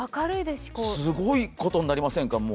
すごいことになりませんか？